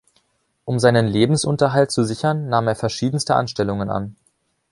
Um seinen Lebensunterhalt zu sichern, nahm er verschiedenste Anstellungen an.